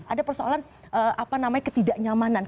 ada persoalan apa namanya ketidaknyamanan